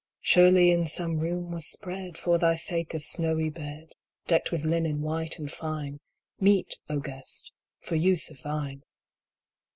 Surely, in some room was spread For thy sake a snowy bed, Decked with linen white and fine, Meet, O Guest, for use of thine.